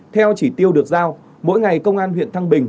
theo chỉ tiêu được giao mỗi ngày công an huyện thăng bình